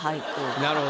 なるほど。